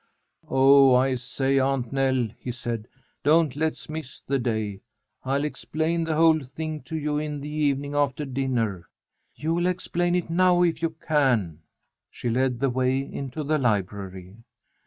"Oh, I say, Aunt Nell," he said, "don't let's miss the day. I'll explain the whole thing to you in the evening after dinner." "You'll explain it now, if you can." She led the way into the library.